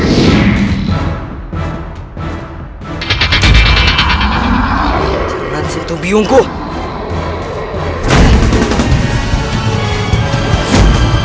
tio jangan ciptau biungku